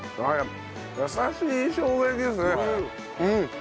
優しいしょうが焼きですね。